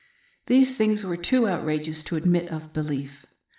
These things were too outrageous to admit of belief.